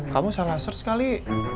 kamu salah search kali